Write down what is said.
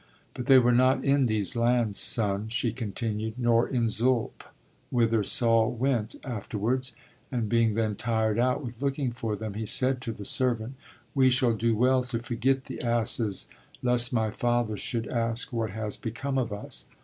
But they were not in these lands, Son, she continued, nor in Zulp, whither Saul went afterwards, and being then tired out with looking for them he said to the servant: we shall do well to forget the asses, lest my father should ask what has become of us.